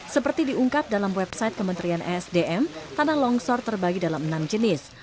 seperti diungkap dalam website kementerian esdm tanah longsor terbagi dalam enam jenis